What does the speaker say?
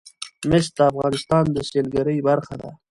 مس د افغانستان د سیلګرۍ برخه ده.